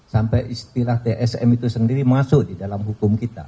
sampai istilah tsm itu sendiri masuk di dalam hukum kita